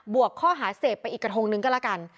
วกข้อหาเสพไปอีกกระทงนึงก็แล้วกัน